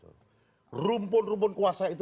rumpun rumpun kuasa itu